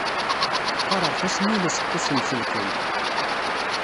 Qqareɣ tasnilest tasenselkamt.